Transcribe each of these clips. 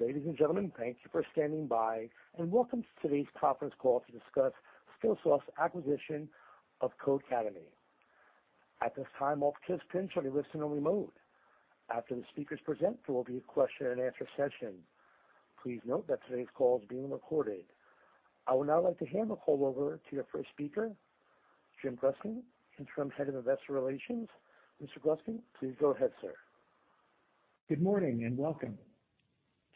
Ladies and gentlemen, thank you for standing by, and welcome to today's Conference Call To Discuss Skillsoft's Acquisition of Codecademy. At this time, all participants should be in listen-only mode. After the speakers present, there will be a question and answer session. Please note that today's call is being recorded. I would now like to hand the call over to the first speaker, James Gruskin, Interim Head of Investor Relations. Mr. Gruskin, please go ahead, sir. Good morning and welcome.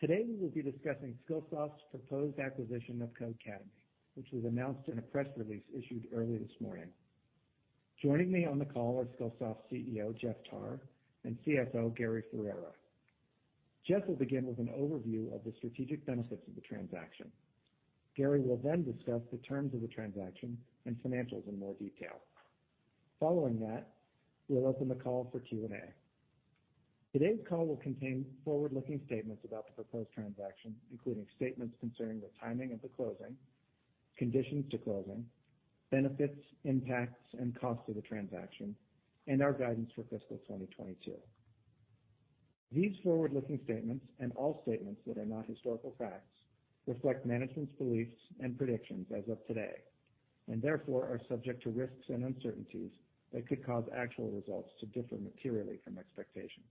Today we will be discussing Skillsoft's proposed acquisition of Codecademy, which was announced in a press release issued early this morning. Joining me on the call are Skillsoft's CEO, Jeff Tarr, and CFO, Gary Ferrera. Jeff will begin with an overview of the strategic benefits of the transaction. Gary will then discuss the terms of the transaction and financials in more detail. Following that, we'll open the call for Q&A. Today's call will contain forward-looking statements about the proposed transaction, including statements concerning the timing of the closing, conditions to closing, benefits, impacts and costs of the transaction, and our guidance for fiscal 2022. These forward-looking statements, and all statements that are not historical facts, reflect management's beliefs and predictions as of today, and therefore are subject to risks and uncertainties that could cause actual results to differ materially from expectations.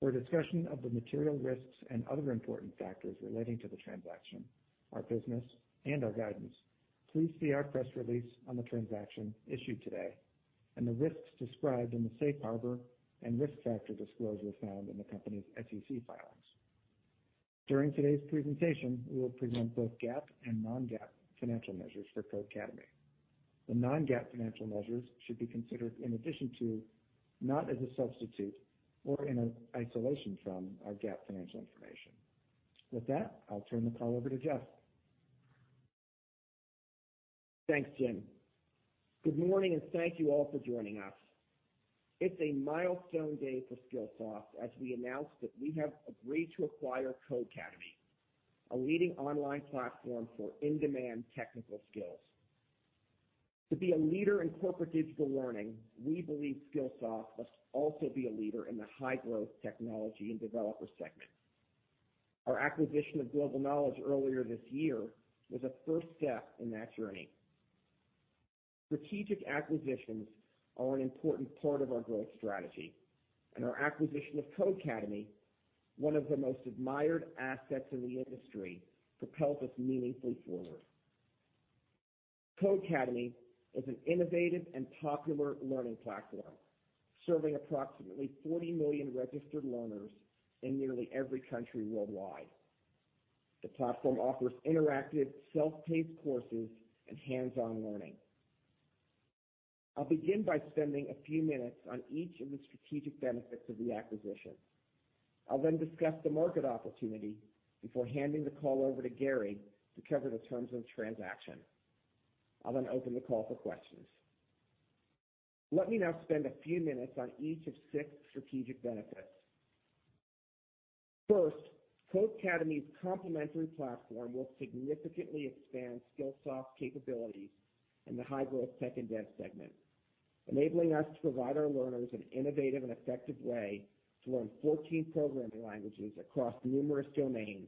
For a discussion of the material risks and other important factors relating to the transaction, our business, and our guidance, please see our press release on the transaction issued today and the risks described in the safe harbor and risk factor disclosures found in the company's SEC filings. During today's presentation, we will present both GAAP and non-GAAP financial measures for Codecademy. The non-GAAP financial measures should be considered in addition to, not as a substitute or in isolation from our GAAP financial information. With that, I'll turn the call over to Jeff. Thanks, James. Good morning and thank you all for joining us. It's a milestone day for Skillsoft as we announce that we have agreed to acquire Codecademy, a leading online platform for in-demand technical skills. To be a leader in corporate digital learning, we believe Skillsoft must also be a leader in the high-growth technology and developer sector. Our acquisition of Global Knowledge earlier this year was a first step in that journey. Strategic acquisitions are an important part of our growth strategy, and our acquisition of Codecademy, one of the most admired assets in the industry, propels us meaningfully forward. Codecademy is an innovative and popular learning platform serving approximately 40 million registered learners in nearly every country worldwide. The platform offers interactive self-paced courses and hands-on learning. I'll begin by spending a few minutes on each of the strategic benefits of the acquisition. I'll then discuss the market opportunity before handing the call over to Gary to cover the terms of the transaction. I'll then open the call for questions. Let me now spend a few minutes on each of six strategic benefits. First, Codecademy's complementary platform will significantly expand Skillsoft's capabilities in the high-growth tech and dev segment, enabling us to provide our learners an innovative and effective way to learn 14 programming languages across numerous domains,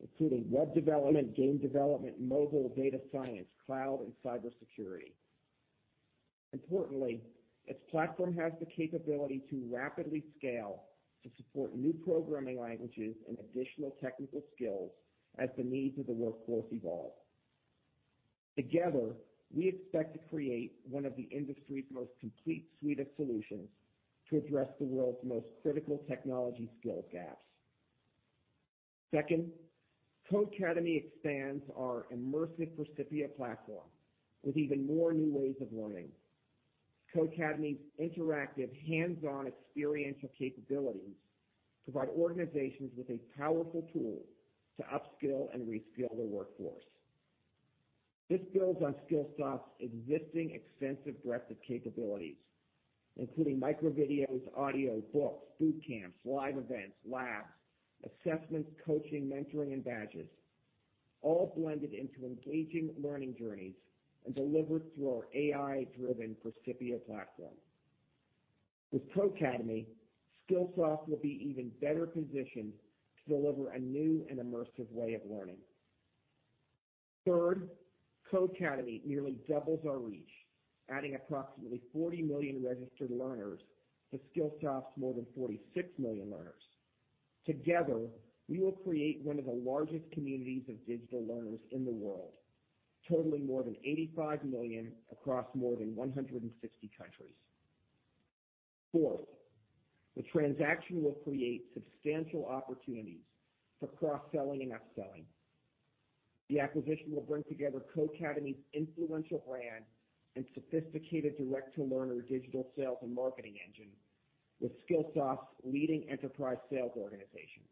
including web development, game development, mobile data science, cloud, and cybersecurity. Importantly, its platform has the capability to rapidly scale to support new programming languages and additional technical skills as the needs of the workforce evolve. Together, we expect to create one of the industry's most complete suite of solutions to address the world's most critical technology skill gaps. Second, Codecademy expands our immersive Percipio platform with even more new ways of learning. Codecademy's interactive hands-on experiential capabilities provide organizations with a powerful tool to upskill and reskill the workforce. This builds on Skillsoft's existing extensive breadth of capabilities, including micro videos, audio books, boot camps, live events, labs, assessments, coaching, mentoring, and badges, all blended into engaging learning journeys and delivered through our AI-driven Percipio platform. With Codecademy, Skillsoft will be even better positioned to deliver a new and immersive way of learning. Third, Codecademy nearly doubles our reach, adding approximately 40 million registered learners to Skillsoft's more than 46 million learners. Together, we will create one of the largest communities of digital learners in the world, totaling more than 85 million across more than 160 countries. Fourth, the transaction will create substantial opportunities for cross-selling and upselling. The acquisition will bring together Codecademy's influential brand and sophisticated direct-to-learner digital sales and marketing engine with Skillsoft's leading enterprise sales organization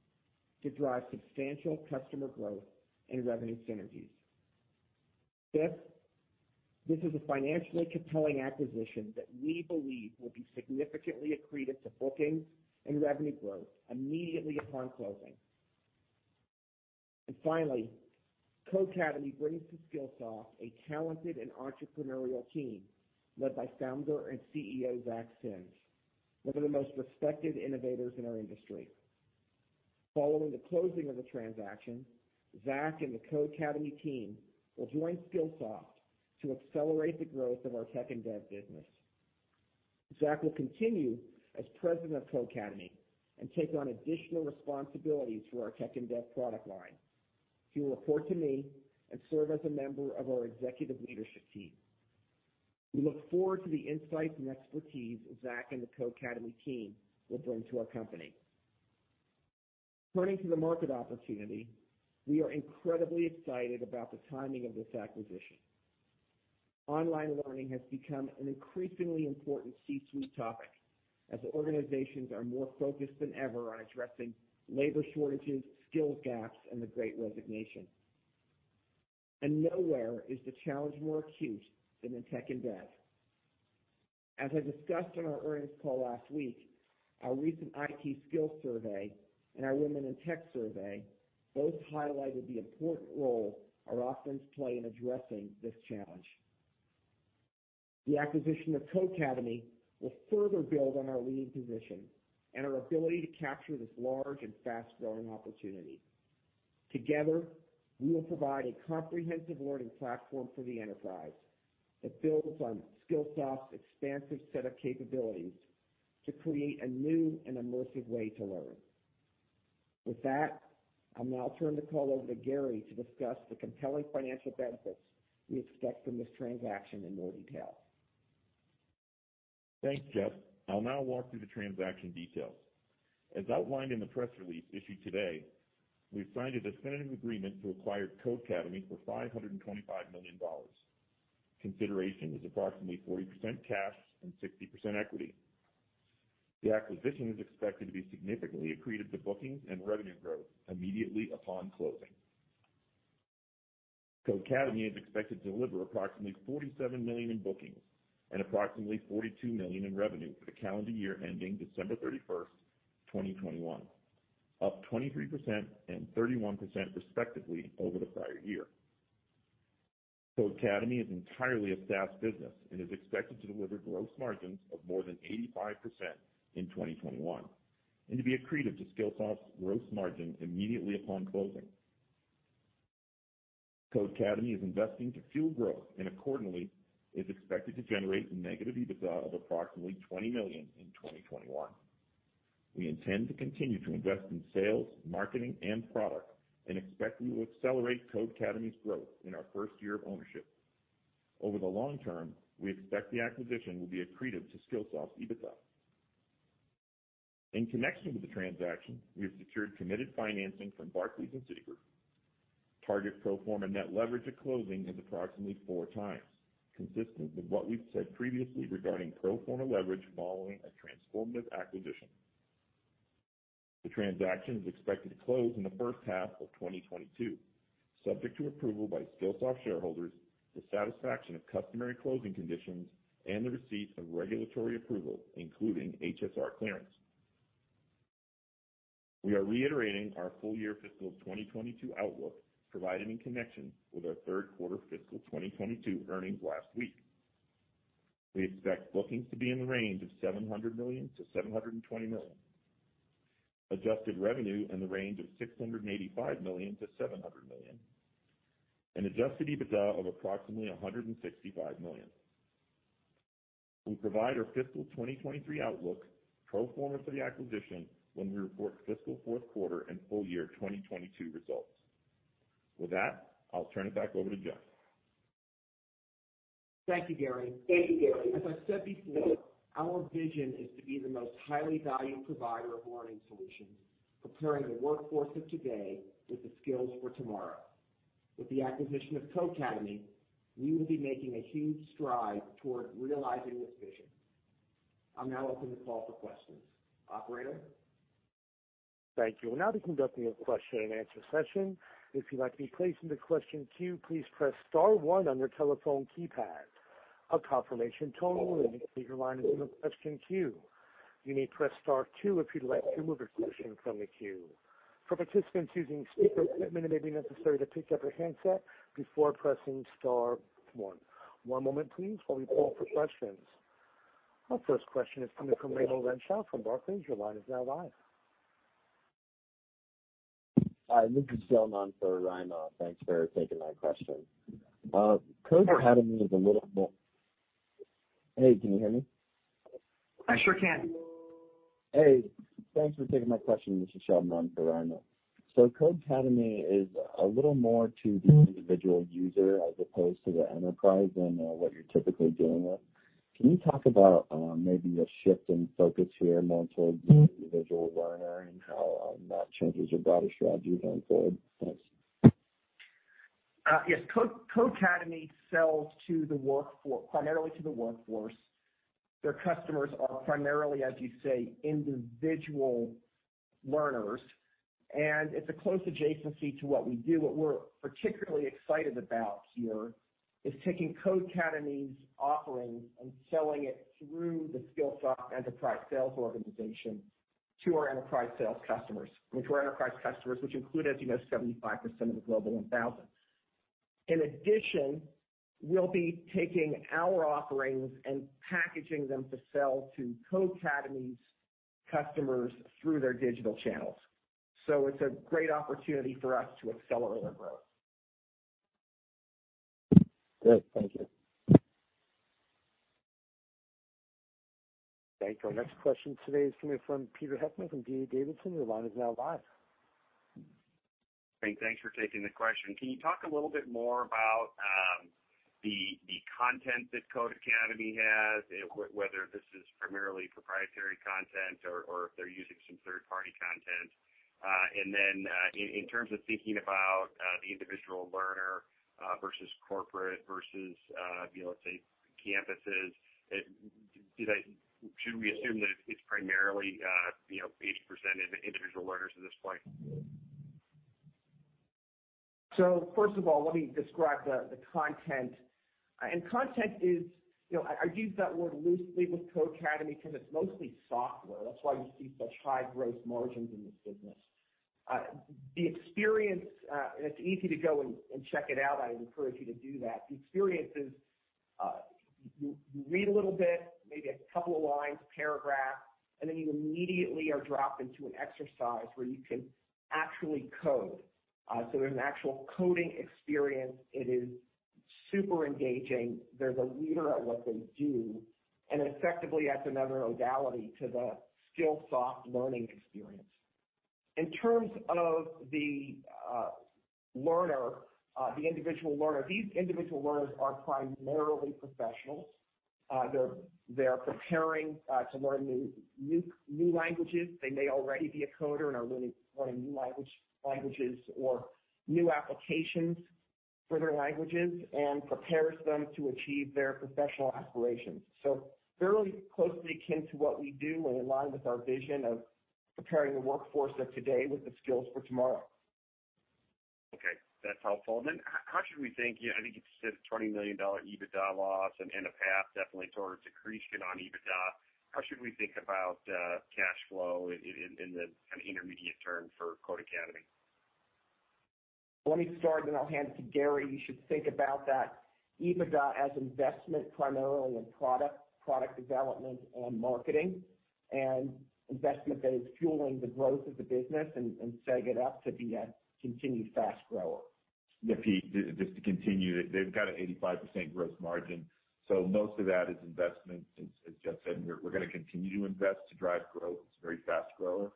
to drive substantial customer growth and revenue synergies. Fifth, this is a financially compelling acquisition that we believe will be significantly accretive to bookings and revenue growth immediately upon closing. Finally, Codecademy brings to Skillsoft a talented and entrepreneurial team led by founder and CEO Zach Sims, one of the most respected innovators in our industry. Following the closing of the transaction, Zach and the Codecademy team will join Skillsoft to accelerate the growth of our tech and dev business. Zach will continue as President of Codecademy and take on additional responsibilities for our tech and dev product line. He will report to me and serve as a member of our executive leadership team. We look forward to the insights and expertise Zach and the Codecademy team will bring to our company. Turning to the market opportunity, we are incredibly excited about the timing of this acquisition. Online learning has become an increasingly important C-suite topic as organizations are more focused than ever on addressing labor shortages, skills gaps, and the great resignation. Nowhere is the challenge more acute than in tech and dev. As I discussed on our earnings call last week, our recent IT skill survey and our women in tech survey both highlighted the important role our offerings play in addressing this challenge. The acquisition of Codecademy will further build on our leading position and our ability to capture this large and fast-growing opportunity. Together, we will provide a comprehensive learning platform for the enterprise that builds on Skillsoft's expansive set of capabilities to create a new and immersive way to learn. With that, I'll now turn the call over to Gary to discuss the compelling financial benefits we expect from this transaction in more detail. Thanks, Jeff. I'll now walk through the transaction details. As outlined in the press release issued today, we've signed a definitive agreement to acquire Codecademy for $525 million. Consideration is approximately 40% cash and 60% equity. The acquisition is expected to be significantly accretive to bookings and revenue growth immediately upon closing. Codecademy is expected to deliver approximately $47 million in bookings and approximately $42 million in revenue for the calendar year ending December 31, 2021, up 23% and 31% respectively over the prior year. Codecademy is entirely a SaaS business and is expected to deliver gross margins of more than 85% in 2021 and to be accretive to Skillsoft's gross margin immediately upon closing. Codecademy is investing to fuel growth and accordingly is expected to generate negative EBITDA of approximately $20 million in 2021. We intend to continue to invest in sales, marketing, and product and expect we will accelerate Codecademy's growth in our first year of ownership. Over the long term, we expect the acquisition will be accretive to Skillsoft's EBITDA. In connection with the transaction, we have secured committed financing from Barclays and Citigroup. Target pro forma net leverage at closing is approximately 4x, consistent with what we've said previously regarding pro forma leverage following a transformative acquisition. The transaction is expected to close in the first half of 2022, subject to approval by Skillsoft shareholders, the satisfaction of customary closing conditions, and the receipt of regulatory approval, including HSR clearance. We are reiterating our full-year fiscal 2022 outlook provided in connection with our third quarter fiscal 2022 earnings last week. We expect bookings to be in the range of $700 million-$720 million, adjusted revenue in the range of $685 million-$700 million, and adjusted EBITDA of approximately $165 million. We provide our fiscal 2023 outlook pro forma for the acquisition when we report fiscal fourth quarter and full year 2022 results. With that, I'll turn it back over to Jeff. Thank you, Gary. As I said before, our vision is to be the most highly valued provider of learning solutions, preparing the workforce of today with the skills for tomorrow. With the acquisition of Codecademy, we will be making a huge stride toward realizing this vision. I'll now open the call for questions. Operator? Thank you. We'll now be conducting a question-and-answer session. If you'd like to be placed into question queue, please press star one on your telephone keypad. A confirmation tone will indicate your line is in the question queue. You may press star two if you'd like to remove your question from the queue. For participants using speakerphone, it may be necessary to pick up your handset before pressing star one. One moment please while we poll for questions. Our first question is coming from Raimo Lenschow from Barclays. Your line is now live. Hi, this is Shalman for Raimo. Thanks for taking my question. Hey, can you hear me? I sure can. Hey, thanks for taking my question. This is Shalman for Raimo. Codecademy is a little more to the individual user as opposed to the enterprise than what you're typically dealing with. Can you talk about maybe a shift in focus here more towards the individual learner and how that changes your broader strategy going forward? Thanks. Yes. Codecademy sells primarily to the workforce. Their customers are primarily, as you say, individual learners, and it's a close adjacency to what we do. What we're particularly excited about here is taking Codecademy's offerings and selling it through the Skillsoft enterprise sales organization to our enterprise sales customers, which were enterprise customers, which include, as you know, 75% of the Global 1000. In addition, we'll be taking our offerings and packaging them to sell to Codecademy's customers through their digital channels. It's a great opportunity for us to accelerate our growth. Good. Thank you. Thank you. Our next question today is coming from Peter Heckmann from D.A. Davidson. Your line is now live. Hey, thanks for taking the question. Can you talk a little bit more about the content that Codecademy has, whether this is primarily proprietary content or if they're using some third-party content? In terms of thinking about the individual learner versus corporate versus, you know, let's say campuses, should we assume that it's primarily, you know, 80% individual learners at this point? First of all, let me describe the content. Content is, you know, I use that word loosely with Codecademy 'cause it's mostly software. That's why you see such high gross margins in this business. The experience, and it's easy to go and check it out, I encourage you to do that. The experience is, you read a little bit, maybe a couple of lines, paragraph, and then you immediately are dropped into an exercise where you can actually code. There's an actual coding experience. It is super engaging. They're the leader at what they do, and effectively adds another modality to the Skillsoft learning experience. In terms of the learner, the individual learner, these individual learners are primarily professionals. They're preparing to learn new languages. They may already be a coder and are learning new language, languages or new applications for their languages, and prepares them to achieve their professional aspirations. Fairly closely akin to what we do and in line with our vision of preparing the workforce of today with the skills for tomorrow. Okay, that's helpful. How should we think, you know, I think you just said $20 million EBITDA loss and a path definitely towards accretion on EBITDA. How should we think about cash flow in the intermediate term for Codecademy? Let me start, then I'll hand it to Gary. You should think about that EBITDA as investment primarily in product development and marketing, and investment that is fueling the growth of the business and setting it up to be a continued fast grower. Yeah, Peter, just to continue, they've got an 85% gross margin, so most of that is investment. As Jeff said, we're gonna continue to invest to drive growth. It's a very fast grower.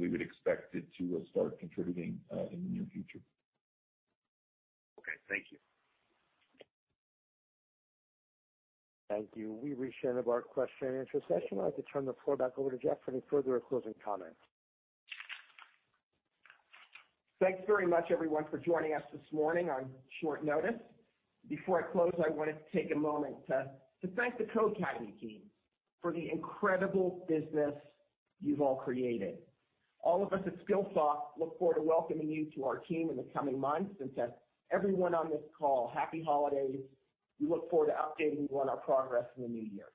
We would expect it to start contributing in the near future. Okay. Thank you. Thank you. We've reached the end of our question and answer session. I'd like to turn the floor back over to Jeff for any further closing comments. Thanks very much, everyone, for joining us this morning on short notice. Before I close, I wanted to take a moment to thank the Codecademy team for the incredible business you've all created. All of us at Skillsoft look forward to welcoming you to our team in the coming months. To everyone on this call, Happy Holidays. We look forward to updating you on our progress in the new year.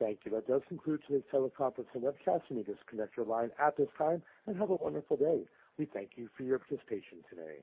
Thank you. That does conclude today's teleconference and webcast. You may disconnect your line at this time and have a wonderful day. We thank you for your participation today.